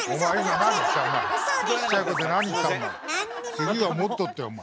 「次はもっと」ってお前。